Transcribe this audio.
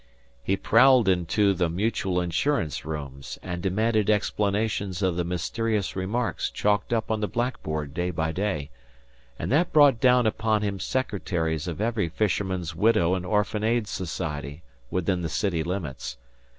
He prowled into the Mutual Insurance rooms, and demanded explanations of the mysterious remarks chalked up on the blackboard day by day; and that brought down upon him secretaries of every Fisherman's Widow and Orphan Aid Society within the city limits.